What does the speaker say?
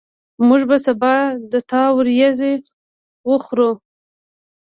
موږ به سبا د تا وریځي وخورو